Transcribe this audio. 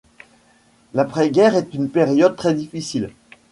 L'après-guerre est une période très difficile.